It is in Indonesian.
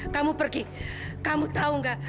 kamu pergi kamu tahu enggak